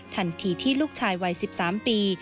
ทันทีที่ลูกชายวัย๑๓ปี